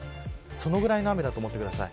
それくらいの雨だと思ってください。